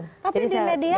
tapi di media ya